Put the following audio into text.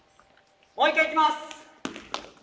もう一回いきます！